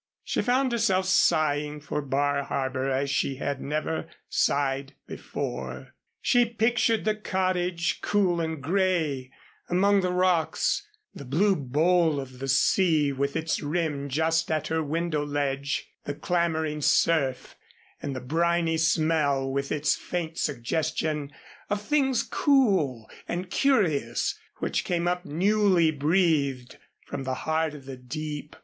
She found herself sighing for Bar Harbor as she had never sighed before. She pictured the cottage, cool and gray among the rocks, the blue bowl of the sea with its rim just at her window ledge, the clamoring surf, and the briny smell with its faint suggestion of things cool and curious which came up newly breathed from the heart of the deep.